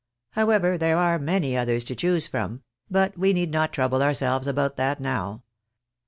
However, there are many others to choose from ; but we need not trouble ourselves about that now.